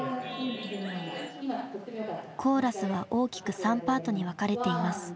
コーラスは大きく３パートに分かれています。